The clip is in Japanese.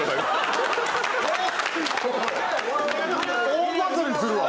大バズりするわ！